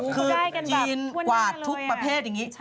คือจีนกวาดทุกประเภทอย่างนี้